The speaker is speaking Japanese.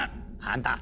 あんた！